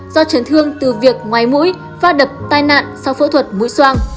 do trấn thương từ việc ngoài mũi phát đập tai nạn sau phẫu thuật mũi soan